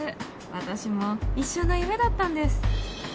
私も一生の夢だったんです。